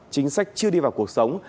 chính sách chưa đi vào cuộc sống